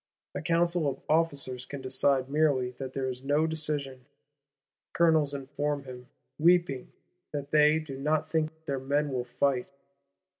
A Council of Officers can decide merely that there is no decision: Colonels inform him, "weeping," that they do not think their men will fight.